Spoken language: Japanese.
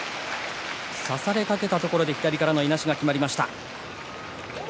差されかけたところで右からのいなしがきまりました。